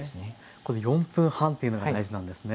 この４分半っていうのが大事なんですね。